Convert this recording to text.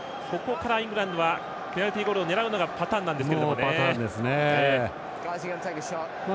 ここからイングランドはペナルティゴールを狙うのがパターンなんですが。